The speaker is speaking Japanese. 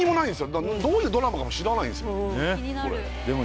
だからどういうドラマかも知らないんですよ